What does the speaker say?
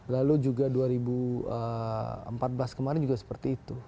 lalu juga dua ribu empat belas kemarin juga seperti itu